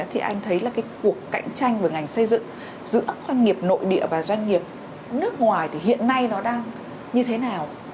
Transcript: thì anh thấy là cái cuộc cạnh tranh với ngành xây dựng giữa doanh nghiệp nội địa và doanh nghiệp nước ngoài thì hiện nay nó đang như thế nào